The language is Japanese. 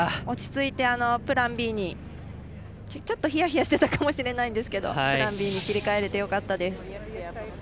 落ち着いてプランＢにちょっと、ひやひやしてたかもしれないんですけどプランＢに切り替えれてよかったです。